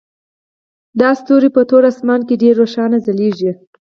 دا ستوري په تور اسمان کې ډیر روښانه ځلیږي